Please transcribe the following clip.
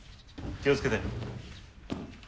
気を付けて。